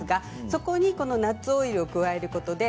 そこにナッツオイルを加えることで